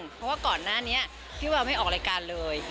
เพราะว่าก่อนหน้านี้พี่แววไม่ออกรายการเลย